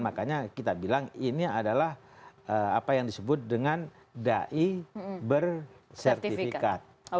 makanya kita bilang ini adalah apa yang disebut dengan da'i bersertifikat